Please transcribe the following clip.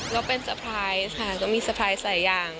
ก็เป็นเตอร์ไพรส์ค่ะก็มีเตอร์ไพรส์หลายอย่าง